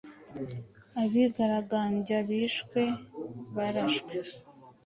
Abigaragambya 'bishwe barashwe'